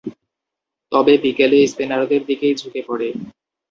তবে, বিকেলে স্পিনারদের দিকেই ঝুঁকে পড়ে।